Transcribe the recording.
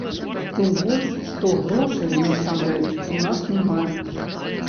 Тым больш, што грошай, насамрэч, у нас няма.